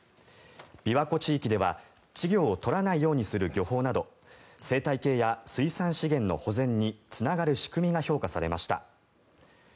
琵琶湖地域では、稚魚を取らないようにする漁法など生態系や水産資源の保全につながる仕組みが評価されました。